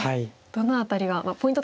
どの辺りがポイント